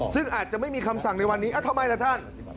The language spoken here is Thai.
ซึ่งอาจจะไม่มีคำสั่งในวันนี้ทำไมล่ะท่าน